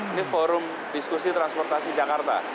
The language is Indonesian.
ini forum diskusi transportasi jakarta